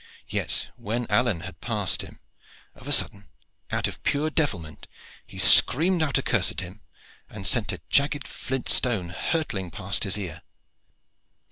Yet when Alleyne had passed him, of a sudden, out of pure devilment, he screamed out a curse at him, and sent a jagged flint stone hurtling past his ear.